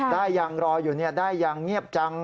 ได้ยังรออยู่ได้อย่างเงียบจัง